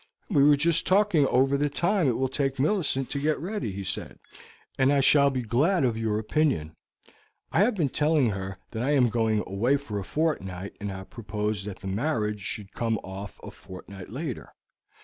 "We were just talking over the time it will take Millicent to get ready," he said, "and I shall be glad of your opinion. I have been telling her that I am going away for a fortnight, and have proposed that the marriage should come off a fortnight later.